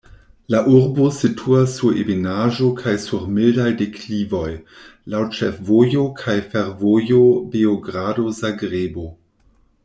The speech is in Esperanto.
La urbo situas sur ebenaĵo kaj sur mildaj deklivoj, laŭ ĉefvojo kaj fervojo Beogrado-Zagrebo.